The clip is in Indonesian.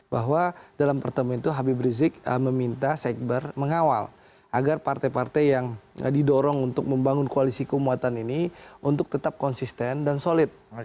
bahwa dalam pertemuan itu habib rizik meminta sekber mengawal agar partai partai yang didorong untuk membangun koalisi keumatan ini untuk tetap konsisten dan solid